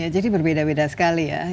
jadi berbeda beda sekali ya